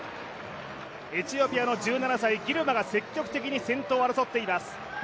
エチオピアの１７歳ギルマが積極的に先頭を争っています。